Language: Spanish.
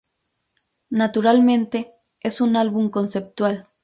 Naturalmente, es un álbum conceptual.